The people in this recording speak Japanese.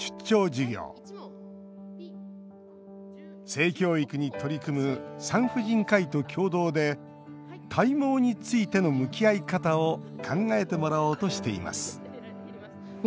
性教育に取り組む産婦人科医と共同で体毛についての向き合い方を考えてもらおうとしています